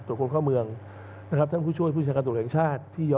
ตัวคนเข้าเมืองนะครับท่านคุณช่วยผู้ชาญการตรวจแหล่งชาติที่